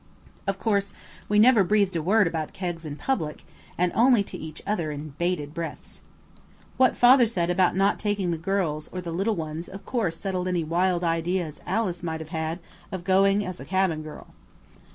Of course we never breathed a word about kegs in public and only to each other in bated breaths. What Father said about not taking the girls or the little ones of course settled any wild ideas Alice might have had of going as a cabin girl.